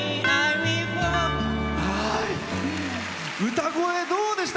歌声どうでした？